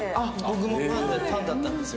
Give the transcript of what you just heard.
僕もファンだったんですよ。